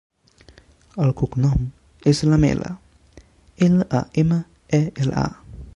El cognom és Lamela: ela, a, ema, e, ela, a.